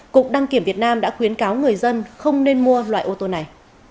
cục đăng kiểm việt nam đã khuyến cáo người dân không nên mua loại ô tô này